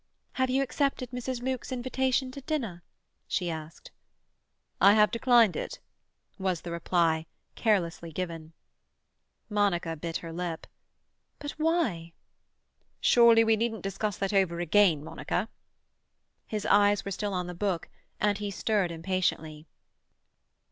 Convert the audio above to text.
"Have you accepted Mrs. Luke's invitation to dinner?" she asked. "I have declined it," was the reply, carelessly given. Monica bit her lip. "But why?" "Surely we needn't discuss that over again, Monica." His eyes were still on the book, and he stirred impatiently.